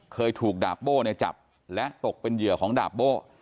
เคยถูกดาบโบ้เนี่ยจับและตกเป็นเหยื่อของดาบโบ้